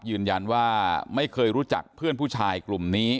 ยืนยันว่าไม่เคยรู้จักเพื่อนผู้ชายกลุ่มนี้